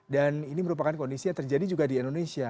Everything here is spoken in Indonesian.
dan ini merupakan kondisi yang terjadi juga di indonesia